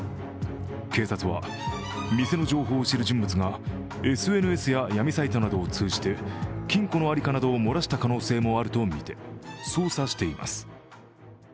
警察は店の情報を知る人物がＳＮＳや闇サイトなどを通じて金庫の在りかなどを漏らした可能性もあるとみて捜査しています。